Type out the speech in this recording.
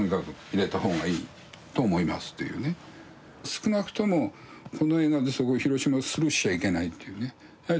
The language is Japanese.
少なくともこの映画ですごい広島スルーしちゃいけないというね。